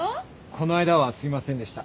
この間はすいませんでした。